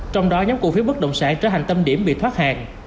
trong đó nhóm cổ phiếu bất động sản trở thành tâm điểm bị thoát hàng